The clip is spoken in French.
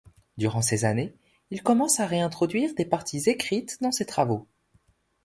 Durant ces années il commence à réintroduire des parties écrites dans ses travaux.